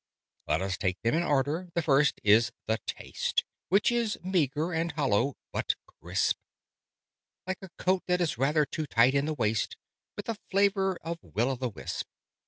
"Let us take them in order. The first is the taste, Which is meagre and hollow, but crisp: Like a coat that is rather too tight in the waist, With a flavour of Will o' the wisp.